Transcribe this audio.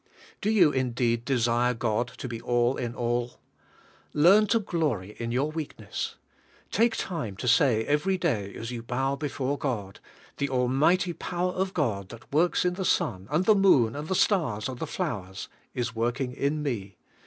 Do you indeed desire God to be all in all? Learn to glory in your weakness. Take time to say every day as 3'ou bow before God, •'The almighty power of God that works in the sun, and the moon, and the stars, and the flowers, is working in me.